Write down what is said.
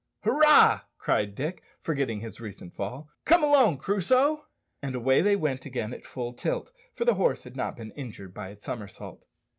"Hurrah!" cried Dick, forgetting his recent fall. "Come along, Crusoe." And away they went again full tilt, for the horse had not been injured by its somersault.